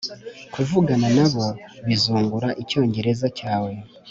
Kuvugana nabo bizungura Icyongereza cyawe